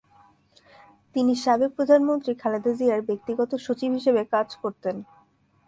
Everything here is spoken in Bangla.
তিনি সাবেক প্রধানমন্ত্রী খালেদা জিয়ার ব্যক্তিগত সচিব হিসেবে কাজ করতেন।